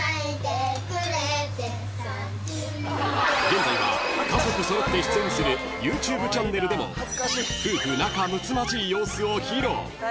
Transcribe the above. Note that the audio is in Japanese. ［現在は家族揃って出演するＹｏｕＴｕｂｅチャンネルでも夫婦仲むつまじい様子を披露］